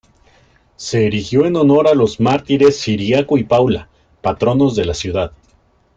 Se erigió en honor a los mártires Ciriaco y Paula, patronos de la ciudad.